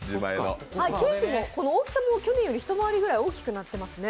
ケーキの大きさも去年より１まわりくらい、大きくなってますね。